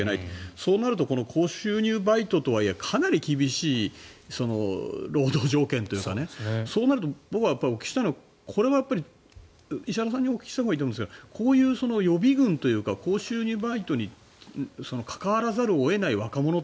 そうすると高収入バイトとはいえかなり厳しい労働条件というかそうなると僕はお聞きしたいのは石原さんにお聞きしたほうがいいかと思いますがこういう予備軍というか高収入バイトに関わらざるを得ない若者が